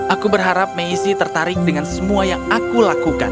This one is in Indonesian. aku berharap messi tertarik dengan semua yang aku lakukan